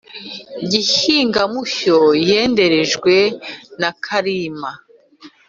gihinga mushyo yenderejwe nakarima.